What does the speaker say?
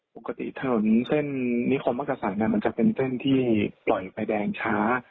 ปกติเท่านานี้สันนิคโครมอากาศันด์มันเป็นเส้นที่ปล่อยไฟแดงช้า